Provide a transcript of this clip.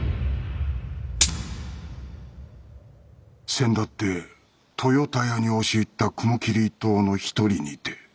せんだって豊田屋に押し入った雲霧一党の一人にて。